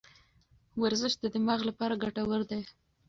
ورزش د دماغ لپاره ګټور دی.